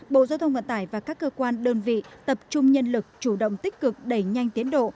bộ giao thông vận tải và các cơ quan đơn vị tập trung nhân lực chủ động tích cực đẩy nhanh tiến độ